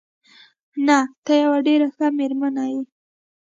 نه، ته یوه ډېره ښه مېرمن یې.